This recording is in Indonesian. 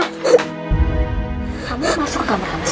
kamu masuk ke kamar